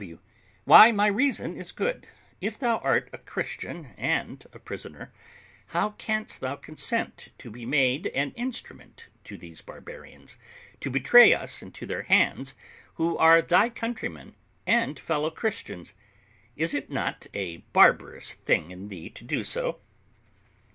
W. Why, my reason is good; if thou art a Christian and a prisoner, how canst thou consent to be made an instrument to these barbarians, to betray us into their hands, who are thy countrymen and fellow Christians? Is it not a barbarous thing in thee to do so?